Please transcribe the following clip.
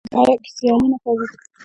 دوی په بیو کې سیالي نه کوله